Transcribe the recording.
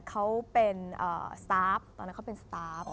เขาเป็นตอนนั้นเขาเป็นตอบ